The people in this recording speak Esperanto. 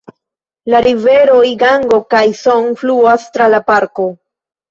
La riveroj Gango kaj Son fluas tra la parko.